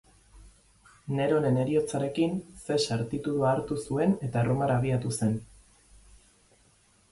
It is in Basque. Neronen heriotzarekin, Zesar titulua hartu zuen eta Erromara abiatu zen.